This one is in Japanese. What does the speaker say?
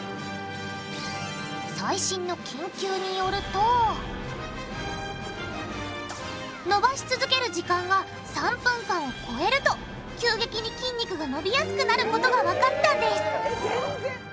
そう実はのばし続ける時間が３分間をこえると急激に筋肉がのびやすくなることがわかったんです。